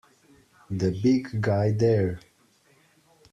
The big guy there!